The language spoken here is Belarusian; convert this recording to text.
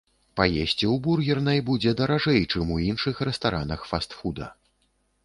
Паесці ў бургернай будзе даражэй, чым у іншых рэстаранах фаст-фуда.